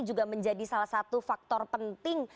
juga menjadi salah satu faktor penting